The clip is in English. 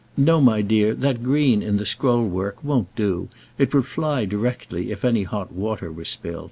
"No, my dear, that green in the scroll work won't do. It would fly directly, if any hot water were spilt."